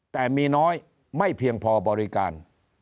แต่มีน้อยไม่เพียงพอบริการ